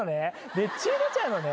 で血出ちゃうのね。